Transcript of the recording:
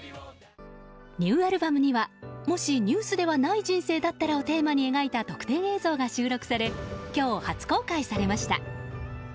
ニューアルバムには、もしＮＥＷＳではない人生だったらをテーマに描いた特典映像が収録され今日、初公開されました。